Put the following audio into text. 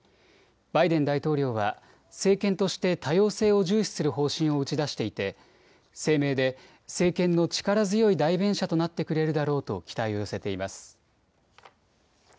バイデン大統領は政権として多様性を重視する方針を打ち出していて声明で政権の力強い代弁者となってくれるだろうと期待を寄せています。